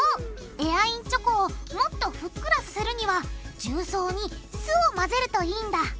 エアインチョコをもっとふっくらさせるには重曹に酢を混ぜるといいんだ。